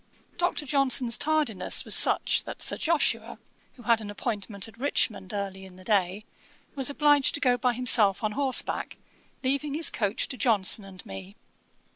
Dr. Johnson's tardiness was such, that Sir Joshua, who had an appointment at Richmond, early in the day, was obliged to go by himself on horseback, leaving his coach to Johnson and me.